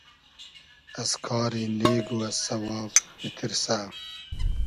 از کاری نېگ و از سئواب میتیرسۂ